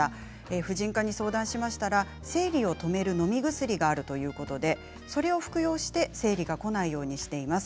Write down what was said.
婦人科に相談しましたら生理を止めるのみ薬があるということでそれを服用して生理がこないようにしています。